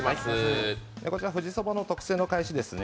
こちら、富士そばの特製のかえしですね。